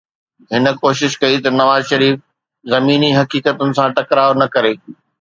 هن ڪوشش ڪئي ته نواز شريف زميني حقيقتن سان ٽڪراءُ نه ڪري.